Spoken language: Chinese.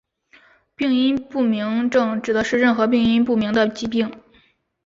病因不明症指的是任何病因不明的疾病。